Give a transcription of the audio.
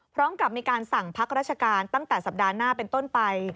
พร้อมกับมีการสั่งพักราชการตั้งแต่สัปดาห์หน้าเป็นต้นไป